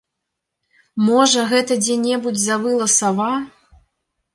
Можа, гэта дзе-небудзь завыла сава?